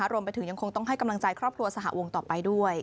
ยังคงต้องให้กำลังใจครอบครัวสหวงต่อไปด้วย